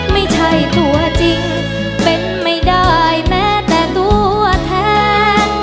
ไม่ใช่ตัวจริงเป็นไม่ได้แม้แต่ตัวแทน